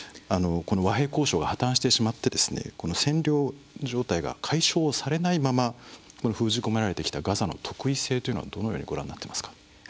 和平交渉が破綻してしまって占領状態が解消されないまま封じ込められてきたガザの特異性というのはどのようにご覧になっていますか。